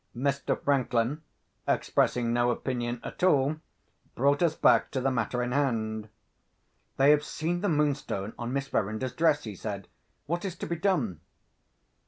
Mr. Franklin, expressing no opinion at all, brought us back to the matter in hand. "They have seen the Moonstone on Miss Verinder's dress," he said. "What is to be done?"